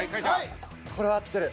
これは合ってる。